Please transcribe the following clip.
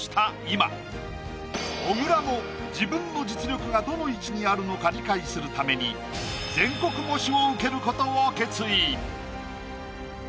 今小倉も自分の実力がどの位置にあるのか理解するために全国模試を受けることを決意！